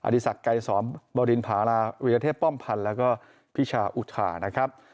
ดีศักดิ์ไกรสอนบรินภาราวิทยาเทพป้อมพันธ์แล้วก็พิชาอุทานะครับ